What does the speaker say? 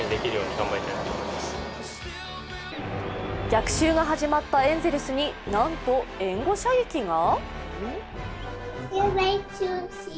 逆襲が始まったエンゼルスになんと援護射撃が？